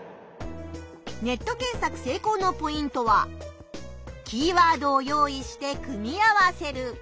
ネット検索せいこうのポイントはキーワードを用意して組み合わせる。